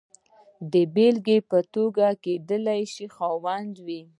د بېلګې په توګه کېدای شي خاوند وي.